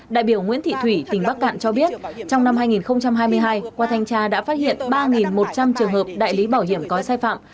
đại biểu nguyễn thị thủy tỉnh bắc cạn cho biết trong năm hai nghìn hai mươi hai qua thanh tra đã phát hiện ba một trăm linh trường hợp đại lý bảo hiểm có sai phạm